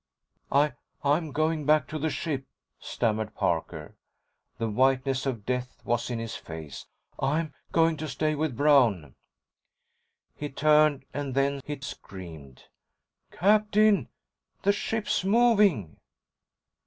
"I—I'm going back to the ship," stammered Parker. The whiteness of death was in his face. "I'm going to stay with Brown." He turned, and then he screamed. "Captain, the ship's moving!"